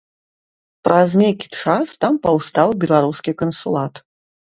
Праз нейкі час там паўстаў беларускі кансулат.